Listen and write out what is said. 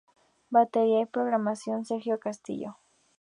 Batería y programación: Sergio Castillo.